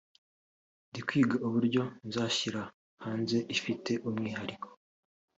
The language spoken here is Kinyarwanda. ndi kwiga uburyo nzayishyira hanze ifite umwihariko